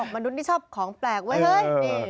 ก็บอกมนุษย์ที่ชอบของแปลกไว้เฮ้ยนี่